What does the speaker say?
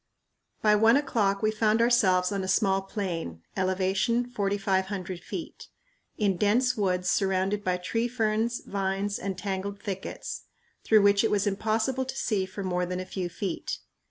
By one o'clock we found ourselves on a small plain (ele. 4500 ft.) in dense woods surrounded by tree ferns, vines, and tangled thickets, through which it was impossible to see for more than a few feet.